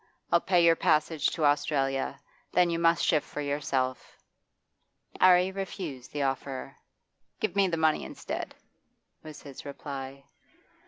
'I'll pay your passage to Australia. Then you must shift for yourself.' 'Arry refused the offer. 'Give me the money instead,' was his reply.